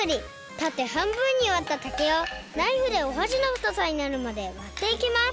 たて半分にわった竹をナイフでおはしのふとさになるまでわっていきます